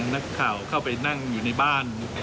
นักข่าวเข้าไปนั่งอยู่ในบ้าน